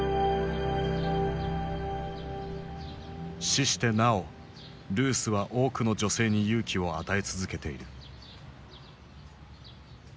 死してなおルースは多くの女性に勇気を与え続けている。